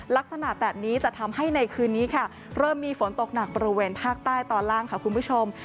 ลักษณะแบบนี้จะทำให้ในคืนนี้ค่ะเริ่มมีฝนตกหนักบริเวณภาคใต้ตอนล่างค่ะคุณผู้ชม